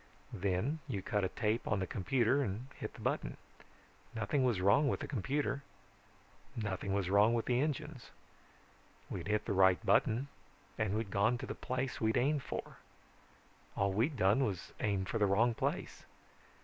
Then you cut a tape on the computer and hit the button. Nothing was wrong with the computer. Nothing was wrong with the engines. We'd hit the right button and we'd gone to the place we'd aimed for. All we'd done was aim for the wrong place.